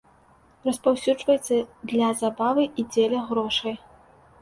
Распаўсюджваюцца для забавы і дзеля грошай.